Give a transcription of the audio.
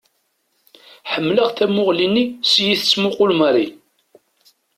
Ḥemmleɣ tamuɣli-nni s i tettmuqqul Mary.